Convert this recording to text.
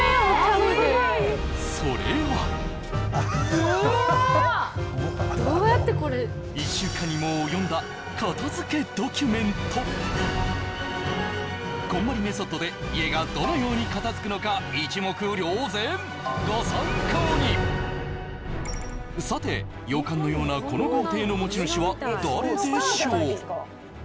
キャップがそれはどうやってこれ１週間にも及んだ片づけドキュメントこんまりメソッドで家がどのように片づくのか一目瞭然ご参考にさて洋館のようなこの豪邸の持ち主は誰でしょう？